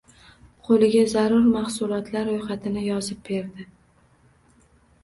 Qoʻliga zarur mahsulotlar roʻyxatini yozib berdi.